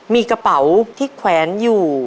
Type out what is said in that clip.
มีกระเป๋าที่แขวนอยู่